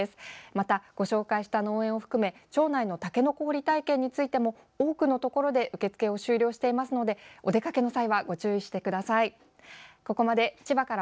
また、ご紹介した農園を含め町内のたけのこ掘り体験についても多くのところで受付を終了していますのでご注意してください。